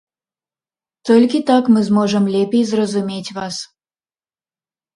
Толькі так мы зможам лепей зразумець вас.